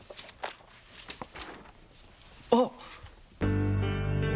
あっ！？